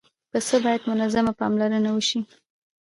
پسه باید منظمه پاملرنه وشي.